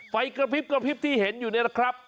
ไฟกระพริบกระพริบที่เห็นอยู่นี่แหละครับ